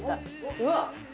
うわっ！